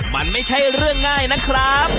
มันไม่ใช่เรื่องง่ายนะครับ